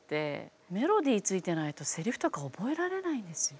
メロディーついてないとセリフとか覚えられないんですよ。